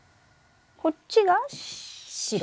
こっちが白？